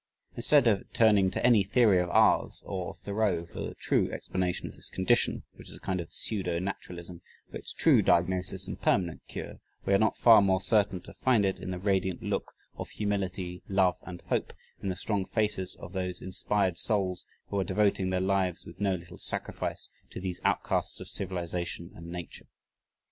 Instead of turning to any theory of ours or of Thoreau for the true explanation of this condition which is a kind of pseudo naturalism for its true diagnosis and permanent cure, are we not far more certain to find it in the radiant look of humility, love, and hope in the strong faces of those inspired souls who are devoting their lives with no little sacrifice to these outcasts of civilization and nature.